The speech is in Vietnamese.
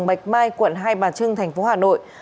bạch mai quận hai bà trưng thành phố hà nội